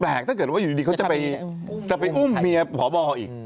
ถ้าเกิดว่าอยู่ดีเขาจะไปอุ้มเมียผอบออีก